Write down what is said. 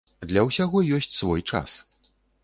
Для ўсяго ёсць свой час.